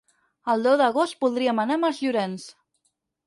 El deu d'agost voldríem anar a Masllorenç.